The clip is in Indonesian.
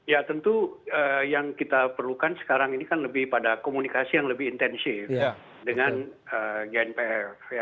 ya tentu yang kita perlukan sekarang ini kan lebih pada komunikasi yang lebih intensif dengan gnpf